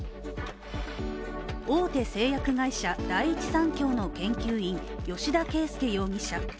大手製薬会社第一三共の研究員、吉田佳右容疑者。